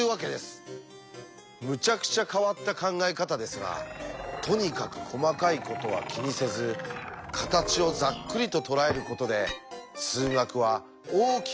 むちゃくちゃ変わった考え方ですがとにかく細かいことは気にせず形をざっくりととらえることで数学は大きく発展したんだそうです。